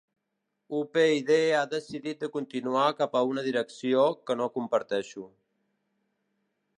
UPyD ha decidit de continuar cap a una direcció que no comparteixo.